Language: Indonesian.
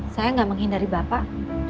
saya gak menghindari bapak